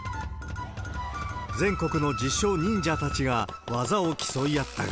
全国の自称、忍者たちが、技を競い合ったが、